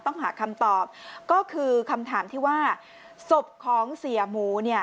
ต้องหาคำตอบก็คือคำถามที่ว่าศพของเสียหมูเนี่ย